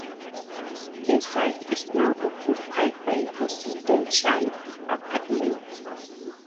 The site is now occupied by residential apartments.